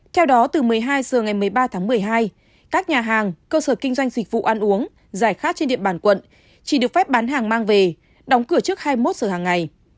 theo đó từ một mươi hai h ngày một mươi ba tháng một mươi hai các nhà hàng cơ sở kinh doanh dịch vụ ăn uống giải khát trên địa bàn quận chỉ được phép bán hàng mang về đóng cửa trước hai mươi một giờ hàng ngày